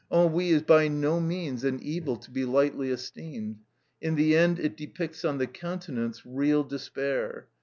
Ennui is by no means an evil to be lightly esteemed; in the end it depicts on the countenance real despair.